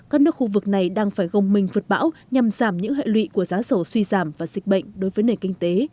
các nước khu vực này đang phải gồng mình vượt bão nhằm giảm những hệ lụy của giá dầu suy giảm và dịch bệnh đối với nền kinh tế